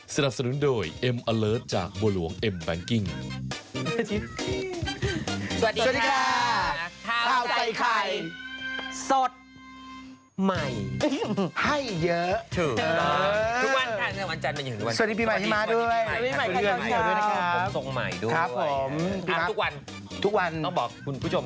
สวัสดีค่ะภาวใจไข่สดใหม่ให้เยอะถูก